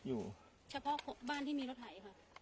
ก็เฉพาะบ้านที่มีรถไถ